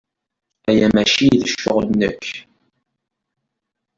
Aya maci d ccɣel-nnek.